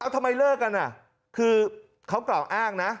ทำไมเลิกกันคือเขากล่าวอ้างนะ